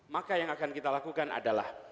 maka yang akan kita lakukan adalah